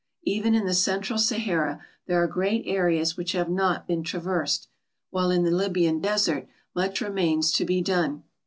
Even in the central Sahara there are great areas which have not been tra versed, while in the Libyan desert much remains to be done.